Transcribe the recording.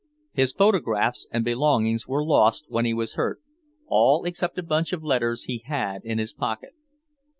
His photographs and belongings were lost when he was hurt, all except a bunch of letters he had in his pocket.